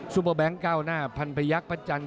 เบอร์แก๊งก้าวหน้าพันพยักษ์พระจันท